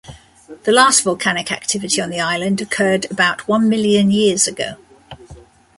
The last volcanic activity on the island occurred about one million years ago.